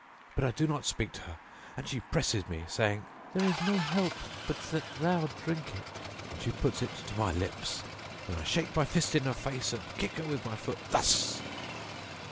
But I do not speak to her and she presses me, saying, 'There is no help but that thou drink it;' and she puts it to my lips. Then I shake my fist in her face and kick her with my foot thus."